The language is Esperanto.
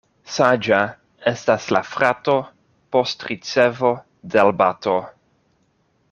Saĝa estas la frato post ricevo de l' bato.